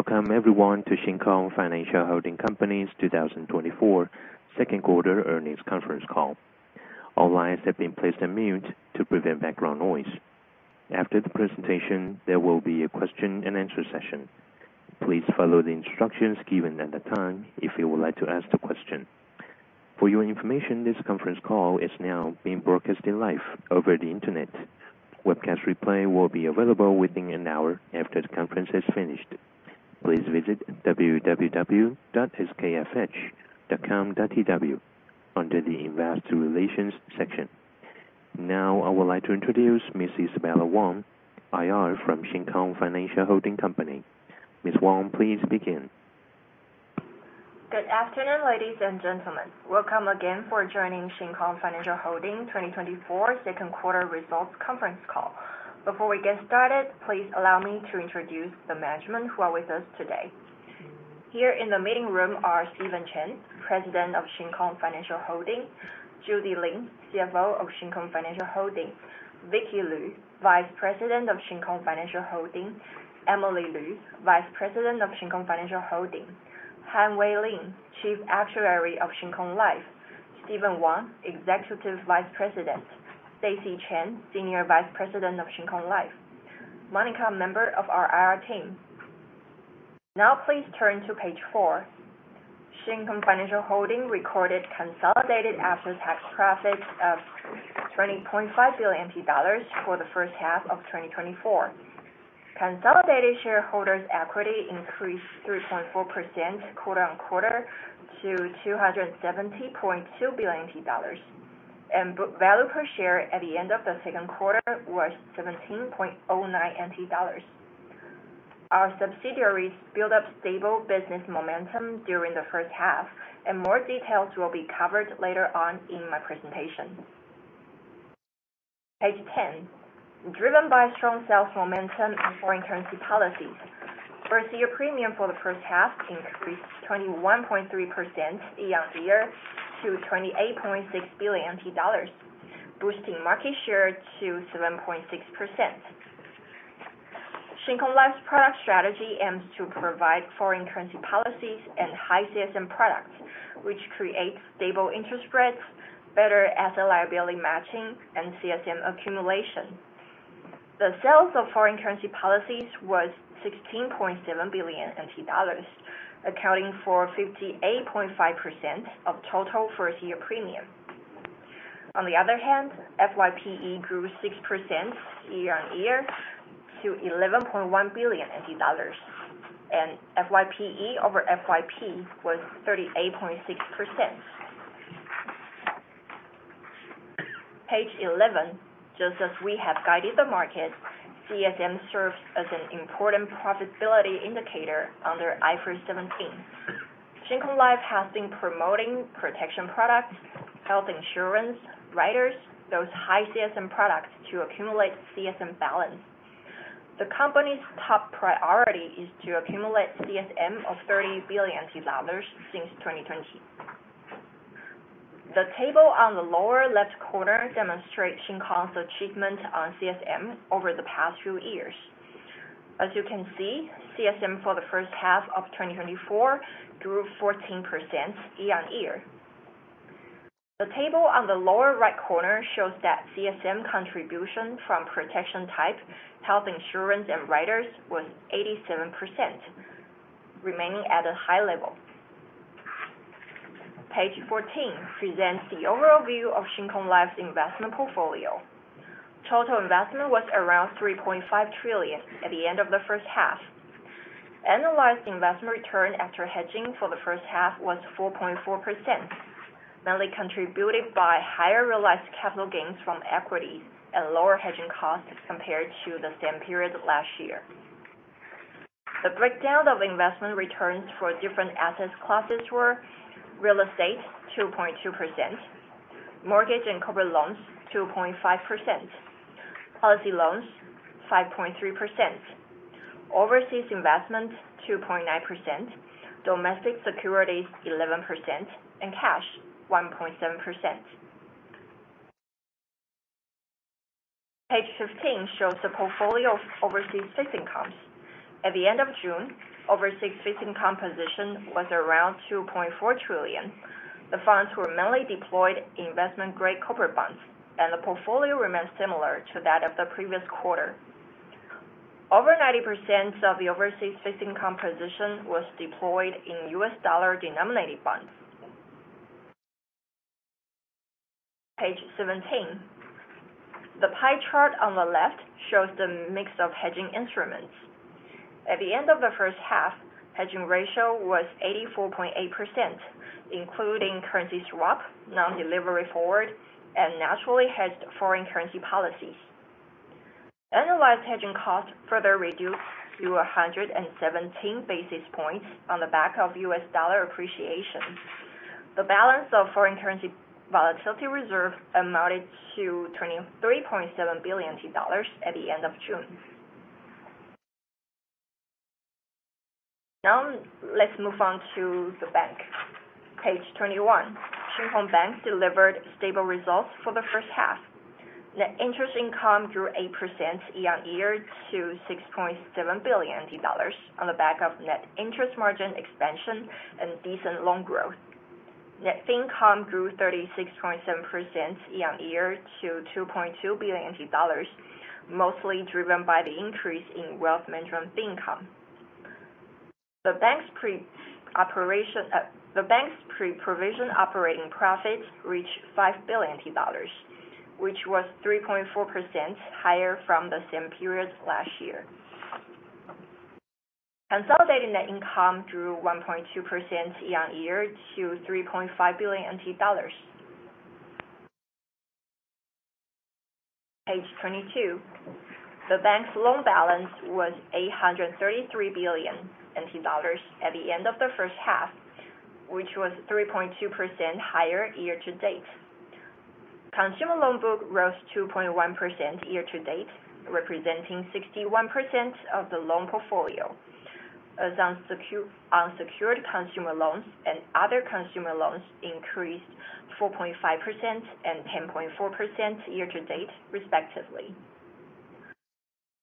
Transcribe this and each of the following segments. Welcome everyone to Shin Kong Financial Holding Company's 2024 Second Quarter Earnings Conference Call. All lines have been placed on mute to prevent background noise. After the presentation, there will be a question-and-answer session. Please follow the instructions given at the time if you would like to ask the question. For your information, this conference call is now being broadcasted live over the Internet. Webcast replay will be available within an hour after the conference is finished. Please visit www.skfh.com.tw under the Investor Relations section. Now, I would like to introduce Miss Isabella Wang, IR from Shin Kong Financial Holding Company. Miss Wang, please begin. Good afternoon, ladies and gentlemen. Welcome again for joining Shin Kong Financial Holding 2024 Second Quarter Results Conference Call. Before we get started, please allow me to introduce the management who are with us today. Here in the meeting room are Steven Chen, President of Shin Kong Financial Holding, Judy Lin, CFO of Shin Kong Financial Holding, Vicky Lu, Vice President of Shin Kong Financial Holding, Emily Lu, Vice President of Shin Kong Financial Holding, Han-Wei Lin, Chief Actuary of Shin Kong Life, Steven Wang, Executive Vice President, Stacy Chen, Senior Vice President of Shin Kong Life, Monica, a member of our IR team. Now please turn to page four. Shin Kong Financial Holding recorded consolidated after-tax profits of 20.5 billion dollars for the first half of 2024. Consolidated shareholders' equity increased 3.4% quarter on quarter to NT$270.2 billion, and book value per share at the end of the second quarter was NT$17.09. Our subsidiaries built up stable business momentum during the first half, and more details will be covered later on in my presentation. Page ten. Driven by strong sales momentum and foreign currency policies, first year premium for the first half increased 21.3% year on year to NT$28.6 billion, boosting market share to 7.6%. Shin Kong Life's product strategy aims to provide foreign currency policies and high CSM products, which create stable interest rates, better asset-liability matching, and CSM accumulation. The sales of foreign currency policies was 16.7 billion NT dollars, accounting for 58.5% of total first-year premium. On the other hand, FYPE grew 6% year on year to 11.1 billion NT dollars, and FYPE over FYP was 38.6%. Page 11. Just as we have guided the market, CSM serves as an important profitability indicator under IFRS 17. Shin Kong Life has been promoting protection products, health insurance, riders, those high CSM products, to accumulate CSM balance. The company's top priority is to accumulate CSM of 30 billion dollars since 2020. The table on the lower left corner demonstrate Shin Kong's achievement on CSM over the past few years. As you can see, CSM for the first half of 2024 grew 14% year on year. The table on the lower right corner shows that CSM contribution from protection type, health insurance, and riders was 87%, remaining at a high level. Page 14 presents the overall view of Shin Kong Life's investment portfolio. Total investment was around 3.5 trillion at the end of the first half. Annualized investment return after hedging for the first half was 4.4%, mainly contributed by higher realized capital gains from equity and lower hedging costs compared to the same period last year. The breakdown of investment returns for different assets classes were real estate 2.2%, mortgage and corporate loans 2.5%, policy loans 5.3%, overseas investment 2.9%, domestic securities 11%, and cash 1.7%. Page 15 shows the portfolio of overseas fixed incomes. At the end of June, overseas fixed income position was around 2.4 trillion. The funds were mainly deployed in investment-grade corporate bonds, and the portfolio remains similar to that of the previous quarter. Over 90% of the overseas fixed income position was deployed in U.S. dollar-denominated bonds. Page 17. The pie chart on the left shows the mix of hedging instruments. At the end of the first half, hedging ratio was 84.8%, including currency swap, non-delivery forward, and naturally hedged foreign currency policies. Annualized hedging costs further reduced to 117 basis points on the back of U.S. dollar appreciation. The balance of foreign currency volatility reserve amounted to 23.7 billion dollars at the end of June. Now, let's move on to the bank. Page 21. Shin Kong Bank delivered stable results for the first half. Net interest income grew 8% year on year to 6.7 billion dollars, on the back of net interest margin expansion and decent loan growth. Net fee income grew 36.7% year on year to 2.2 billion dollars, mostly driven by the increase in wealth management fee income. The bank's pre-provision operating profits reached 5 billion dollars, which was 3.4% higher from the same period last year. Consolidated net income grew 1.2% year on year to TWD 3.5 billion. Page 22. The bank's loan balance was 833 billion NT dollars at the end of the first half, which was 3.2% higher year to date. Consumer loan book rose 2.1% year to date, representing 61% of the loan portfolio, as unsecured consumer loans and other consumer loans increased 4.5% and 10.4% year to date, respectively.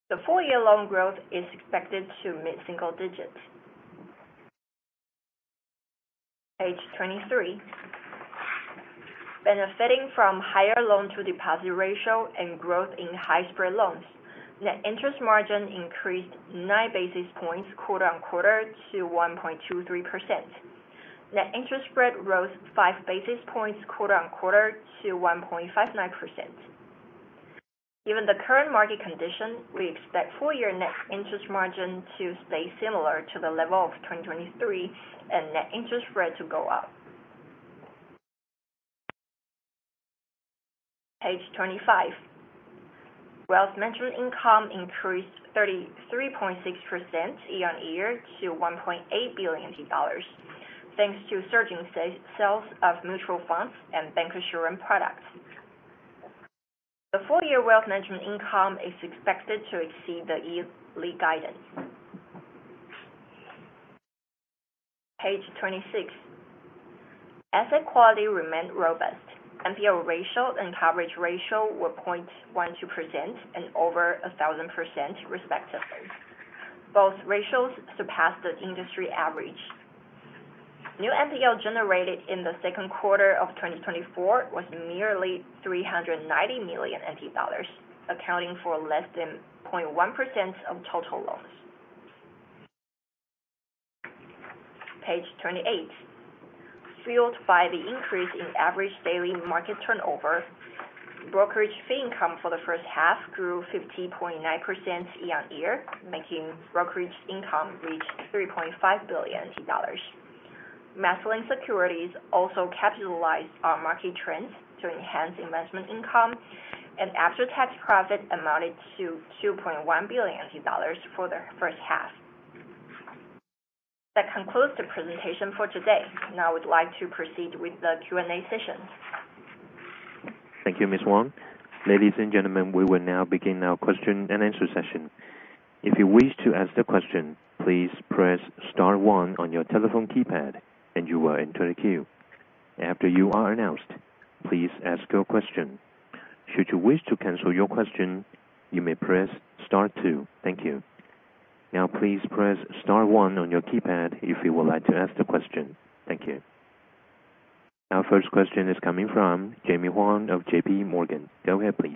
The full year loan growth is expected to mid single digits. Page twenty-three. Benefiting from higher loan to deposit ratio and growth in high spread loans, net interest margin increased nine basis points quarter on quarter to 1.23%. Net interest spread rose five basis points quarter on quarter to 1.59%. Given the current market condition, we expect full year net interest margin to stay similar to the level of 2023, and net interest rate to go up. Page twenty-five. Wealth management income increased 33.6% year on year to 1.8 billion dollars, thanks to surging sales of mutual funds and bank insurance products. The full year wealth management income is expected to exceed the yearly guidance. Page 26. Asset quality remained robust. NPL ratio and coverage ratio were 0.12% and over 1000%, respectively. Both ratios surpassed the industry average. New NPL generated in the second quarter of 2024 was merely 390 million NT dollars, accounting for less than 0.1% of total loans. Page 28. Fueled by the increase in average daily market turnover, brokerage fee income for the first half grew 15.9% year on year, making brokerage income reach TWD 3.5 billion. MasterLink Securities also capitalized on market trends to enhance investment income, and after-tax profit amounted to 2.1 billion dollars for the first half. That concludes the presentation for today. Now, I would like to proceed with the Q&A session. Thank you, Ms. Wang. Ladies and gentlemen, we will now begin our question and answer session. If you wish to ask the question, please press star one on your telephone keypad, and you will enter the queue. After you are announced, please ask your question. Should you wish to cancel your question, you may press star two. Thank you. Now, please press star one on your keypad if you would like to ask the question. Thank you. Our first question is coming from Jemmy Huang of J.P. Morgan. Go ahead, please.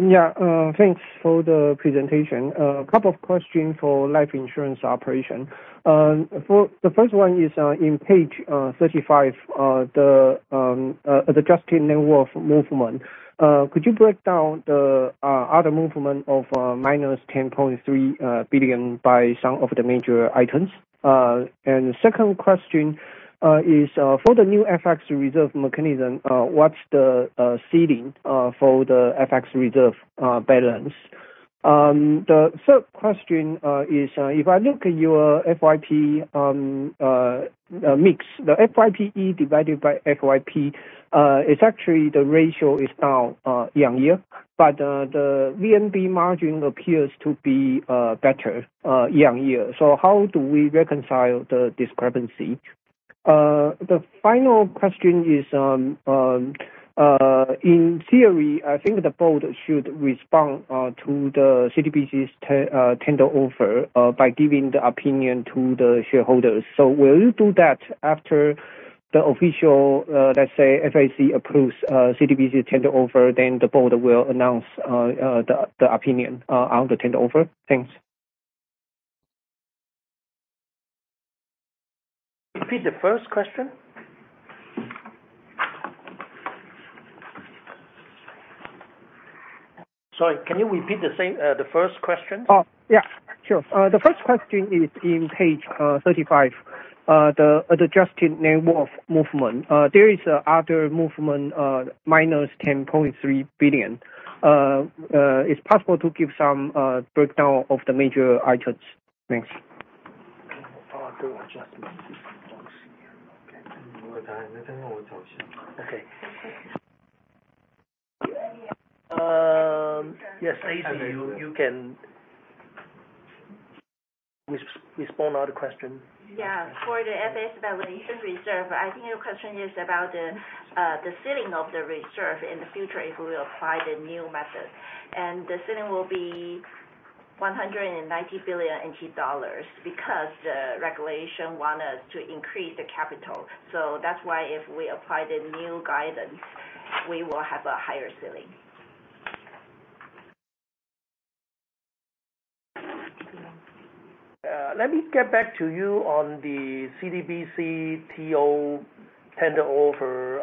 Yeah, thanks for the presentation. A couple of questions for life insurance operation. The first one is, in page 35, the adjusted net worth movement. Could you break down the other movement of -10.3 billion by some of the major items? And the second question is, for the new FX reserve mechanism, what's the ceiling for the FX reserve balance? The third question is, if I look at your FYP mix, the FYPE divided by FYP, it's actually the ratio is now year on year, but the VNB margin appears to be better year on year. So how do we reconcile the discrepancy? The final question is, in theory, I think the board should respond to the CTBC's tender offer by giving the opinion to the shareholders. So will you do that after the official, let's say, FSC approves CTBC tender offer, then the board will announce the opinion on the tender offer? Thanks. Repeat the first question? Sorry, can you repeat the same, the first question? Oh, yeah, sure. The first question is in page 35, the adjusted net worth movement. There is a other movement, -10.3 billion. It's possible to give some breakdown of the major items? Thanks. Do adjustments once again. Okay,... Yes, maybe you can respond all the question. Yeah, for the FX valuation reserve, I think your question is about the ceiling of the reserve in the future, if we apply the new method. And the ceiling will be 190 billion NT dollars because the regulation want us to increase the capital. So that's why if we apply the new guidance, we will have a higher ceiling. Let me get back to you on the CTBC TO tender offer,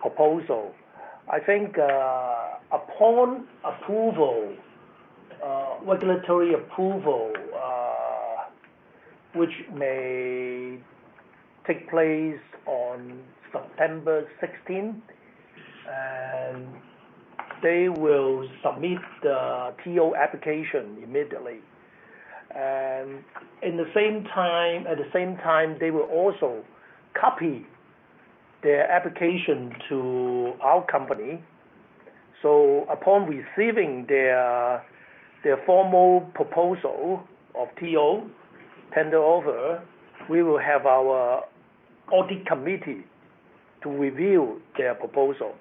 proposal. I think, upon approval, regulatory approval, which may take place on September sixteenth, and they will submit the TO application immediately. And at the same time, they will also copy their application to our company. So upon receiving their formal proposal of TO, tender offer, we will have our audit committee to review their proposal.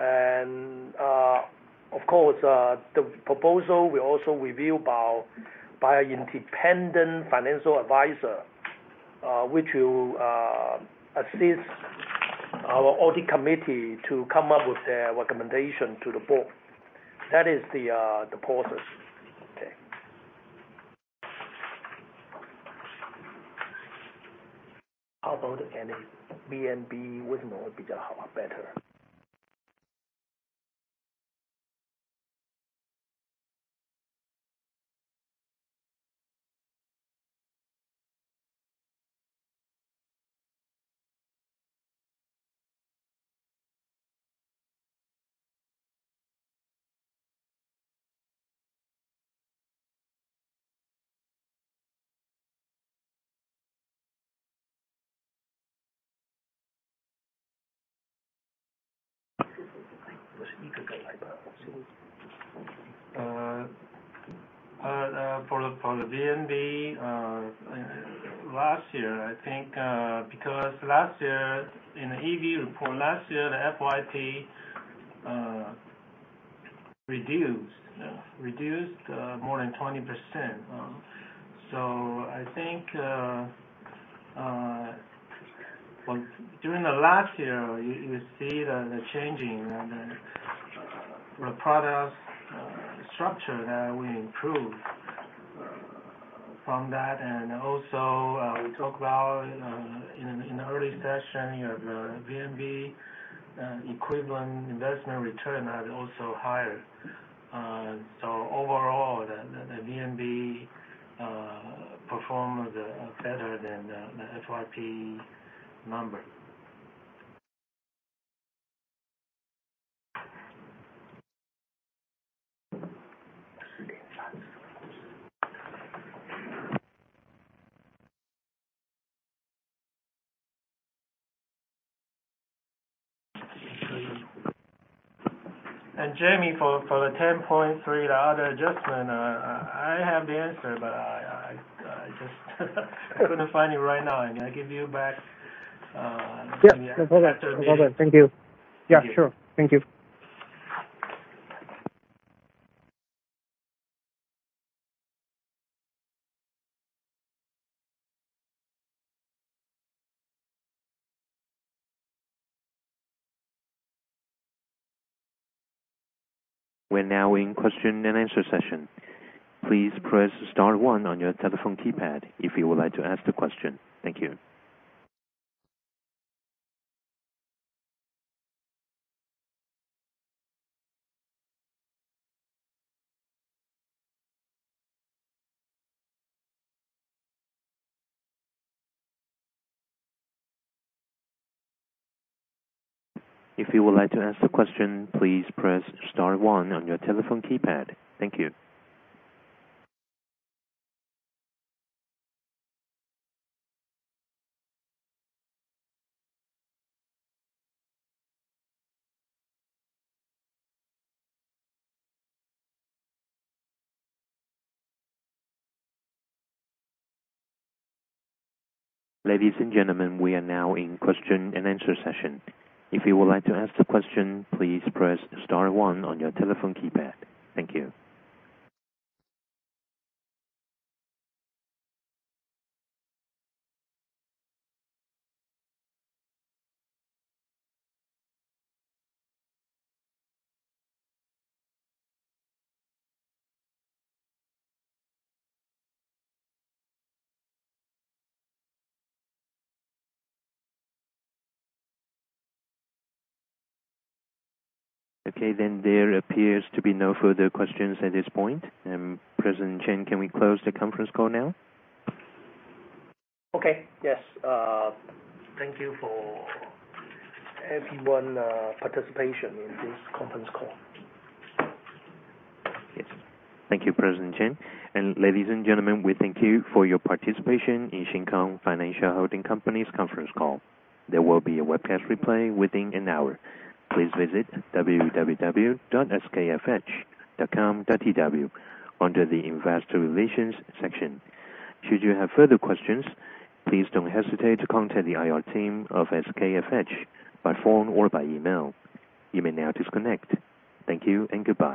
And, of course, the proposal will also review by an independent financial advisor, which will assist our audit committee to come up with their recommendation to the board. That is the process. Okay. How about any VNB with more better? For the VNB last year, I think, because last year, in the EV report last year, the FYP reduced more than 20%. So I think, well, during the last year, you see the changing and the product structure that we improved from that. And also, we talked about, in the early session, you have the VNB equivalent investment return are also higher. So overall, the VNB performed better than the FYP number. And Jamie, for the 10.3, the other adjustment, I just couldn't find it right now. I'm gonna give you back. Yeah, no problem. No problem. Thank you. Yeah, sure. Thank you. We're now in question and answer session. Please press star one on your telephone keypad if you would like to ask the question. Thank you. If you would like to ask the question, please press star one on your telephone keypad. Thank you. Ladies and gentlemen, we are now in question and answer session. If you would like to ask the question, please press star one on your telephone keypad. Thank you. Okay, then there appears to be no further questions at this point. President Chen, can we close the conference call now? Okay. Yes. Thank you for everyone's participation in this conference call. Yes. Thank you, President Chen. And ladies and gentlemen, we thank you for your participation in Shin Kong Financial Holding Company's conference call. There will be a webcast replay within an hour. Please visit www.skfh.com.tw under the Investor Relations section. Should you have further questions, please don't hesitate to contact the IR team of SKFH by phone or by email. You may now disconnect. Thank you and goodbye.